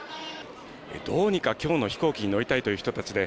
どうにか今日の飛行機に乗りたいという人たちで